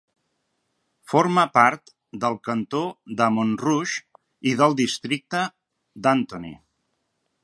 Forma part del cantó de Montrouge i del districte d'Antony.